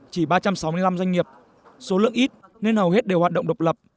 chỉ ba trăm sáu mươi năm doanh nghiệp số lượng ít nên hầu hết đều hoạt động độc lập